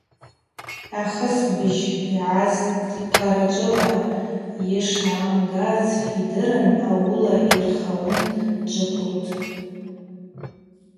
Ахысбыжь йагӏаз хъарачӏвыла йышгӏамгаз йдырын ауыла йырхауын дджвыквылтӏ.